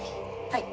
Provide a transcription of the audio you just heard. はい。